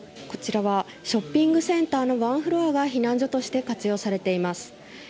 こちらショッピングセンターの１フロアが避難所として活用されています。